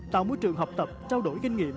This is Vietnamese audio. tạo môi trường học tập trao đổi kinh nghiệm